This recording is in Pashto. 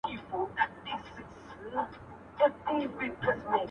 ماما خېل یې په ځنګله کي یابوګان وه-